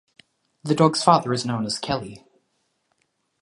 The dog's father is known as Kelly.